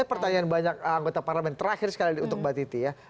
pertanyaan banyak anggota parlemen terakhir sekali untuk mbak titi ya